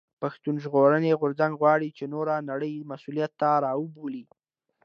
پښتون ژغورني غورځنګ غواړي چې نوره نړۍ مسؤليت ته راوبولي.